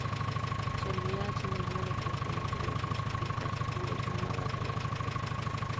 Servía asimismo de frontera entre los moscovitas y los nómadas de la estepa.